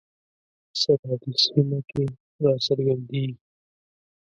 سرحدي سیمه کې را څرګندیږي.